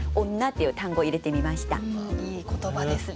いい言葉ですね。